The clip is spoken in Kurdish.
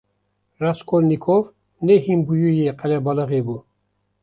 Raskolnîkov ne hînbûyiyê qelebalixê bû.